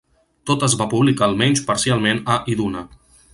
Tot es va publicar al menys parcialment a "Iduna".